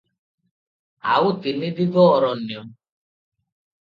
ଆଉ ତିନି ଦିଗ ଅରଣ୍ୟ ।